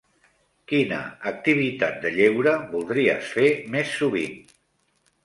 Quina activitat de lleure voldries fer més sovint?